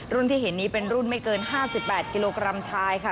ที่เห็นนี้เป็นรุ่นไม่เกิน๕๘กิโลกรัมชายค่ะ